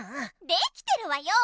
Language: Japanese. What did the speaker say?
できてるわよ！